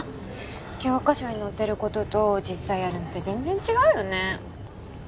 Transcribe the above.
教科書に載ってることと実際やるのって全然違うよね